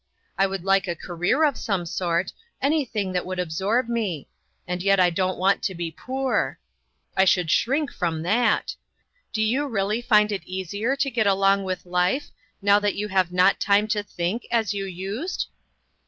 I would like a career of some sort ; anything that would absorb me. And yet I don't want to be poor. I should shrink from that. Do you really find it easier to get along with life, now that you have not time to think, as you used